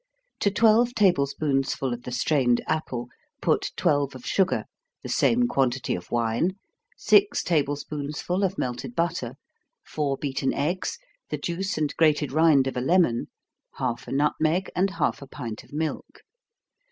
To twelve table spoonsful of the strained apple, put twelve of sugar, the same quantity of wine, six table spoonsful of melted butter, four beaten eggs, the juice and grated rind of a lemon, half a nutmeg, and half a pint of milk.